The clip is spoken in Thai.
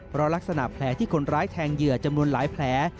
เพราะลักษณะแผลที่คนร้ายแทงเหยื่อจำนวนหลายแผล